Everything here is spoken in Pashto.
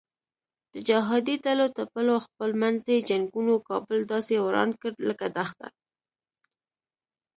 د جهادي ډلو ټپلو خپل منځي جنګونو کابل داسې وران کړ لکه دښته.